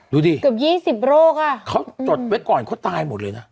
ดูดิเกือบ๒๐โรคอ่ะเขาจดไว้ก่อนเขาตายหมดเลยนะ